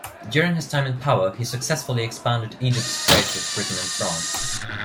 During his time in power, he successfully expanded Egypt's trade with Britain and France.